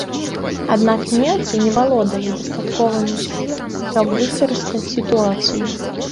Аднак немцы не валодалі дастатковымі сіламі, каб выкарыстаць сітуацыю.